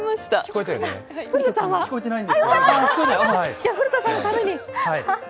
じゃあ古田さんのために。